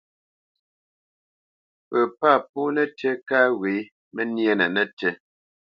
Pə pâ pó nətí kâ wě məníénə nətí.